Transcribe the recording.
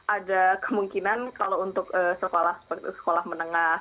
ada kemungkinan kalau untuk sekolah menengah